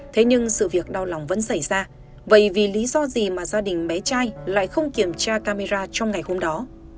thế nhưng sự việc đau lòng vẫn xảy ra vậy vì lý do gì mà gia đình bé trai lại không kiểm tra camera trong ngày hôm đó